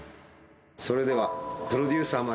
それではプロデューサー巻き。